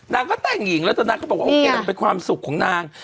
นางก็แต่งหญิงแล้วแต่นางก็บอกว่าโอเคมันเป็นความสุขของนาง